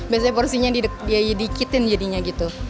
biasanya porsinya dibiayai dikitin jadinya gitu